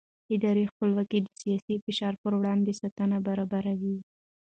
اداري خپلواکي د سیاسي فشار پر وړاندې ساتنه برابروي